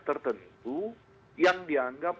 tertentu yang dianggap